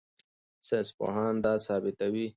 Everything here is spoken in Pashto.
ساینسپوهان دا ثبتوي.